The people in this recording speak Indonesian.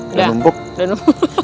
udah numpuk udah udah numpuk